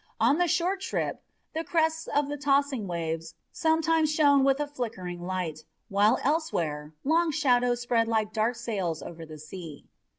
On the short trip, the crests of the tossing waves sometimes shone with a flickering light, while elsewhere long shadows spread like dark sails over the sea.